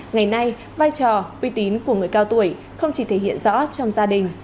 ngày nay vai trò uy tín của người cao tuổi không chỉ thể hiện rõ trong gia đình